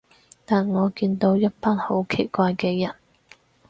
但我見到一班好奇怪嘅人